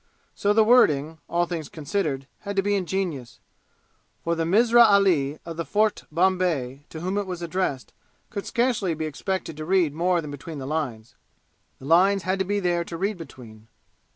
So the wording, all things considered, had to be ingenious, for the Mirza Ali, of the Fort, Bombay, to whom it was addressed, could scarcely be expected to read more than between the lines. The lines had to be there to read between.